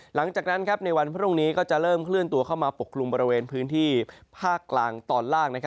หลังจากนั้นในวันพรุ่งนี้ก็จะเริ่มเคลื่อนตัวเข้ามาปกกลุ่มบริเวณพื้นที่ภาคกลางตอนล่าง